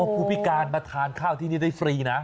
ผู้พิการมาทานข้าวที่นี่ได้ฟรีนะ